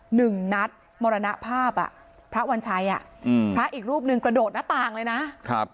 หนึ่งนัดมรณภาพอ่ะพระวัญชัยอ่ะอืมพระอีกรูปหนึ่งกระโดดหน้าต่างเลยนะครับ